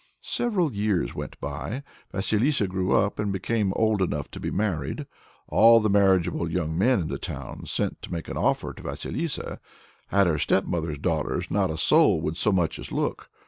Several years went by. Vasilissa grew up and became old enough to be married. All the marriageable young men in the town sent to make an offer to Vasilissa; at her stepmother's daughters not a soul would so much as look.